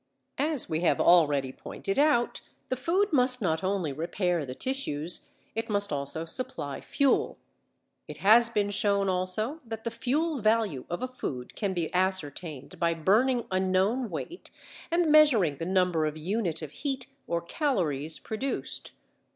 As we have already pointed out the food must not only repair the tissues, it must also supply fuel. It has been shown also that the fuel value of a food can be ascertained by burning a known weight and measuring the number of units of heat or calories produced.